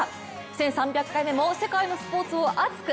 １３００回目も世界のスポーツを熱く！